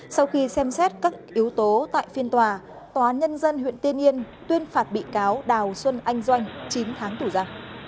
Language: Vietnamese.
sau khi xem xét các yếu tố tại phiên tòa tòa án nhân dân huyện tiên yên tuyên phạt bị cáo đào xuân anh doanh chín tháng tù ra